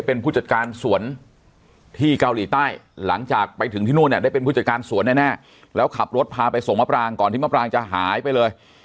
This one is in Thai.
เป็นผู้จัดการสวนที่เกาหลีใต้หลังจากไปถึงที่นู่นเนี่ยได้เป็นผู้จัดการสวนแน่แล้วขับรถพาไปส่งมะปรางก่อนที่มะปรางจะหายไปเลย